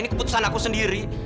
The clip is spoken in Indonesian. ini keputusan aku sendiri